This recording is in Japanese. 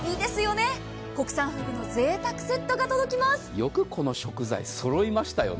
よくこの食材そろいましたよね。